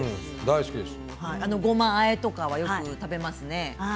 ごまあえとかはよく食べますね。